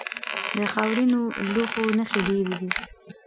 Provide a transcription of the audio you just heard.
د خاورینو لوښو نښې ډیرې دي